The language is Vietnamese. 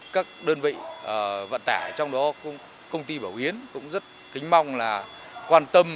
các đơn vị vận tải trong đó công ty bảo yến cũng rất kính mong là quan tâm